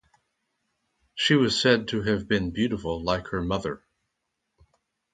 She was said to have been beautiful like her mother.